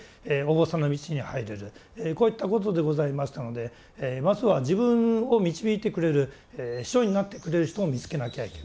こういったことでございましたのでまずは自分を導いてくれる師匠になってくれる人を見つけなきゃいけない。